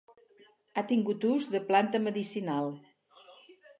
Ha tingut ús de planta medicinal.